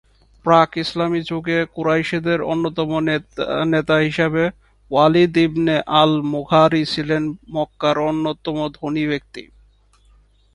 প্রাক-ইসলামী যুগে কুরাইশদের অন্যতম নেতা হিসেবে ওয়ালিদ ইবনে আল-মুঘিরা ছিলেন মক্কার অন্যতম ধনী ব্যক্তি।